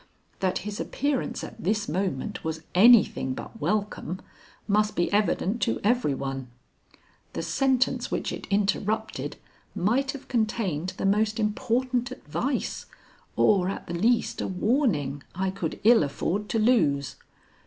That his appearance at this moment was anything but welcome, must be evident to every one. The sentence which it interrupted might have contained the most important advice, or at the least a warning I could ill afford to lose.